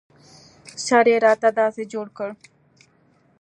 سر يې راته داسې جوړ کړ.